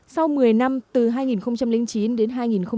sau một mươi năm từ hai nghìn chín đến hai nghìn một mươi